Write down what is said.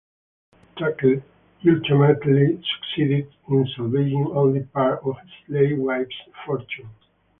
Tucker ultimately succeeded in salvaging only part of his late wife's fortune.